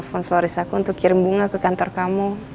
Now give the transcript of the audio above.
konvorit aku untuk kirim bunga ke kantor kamu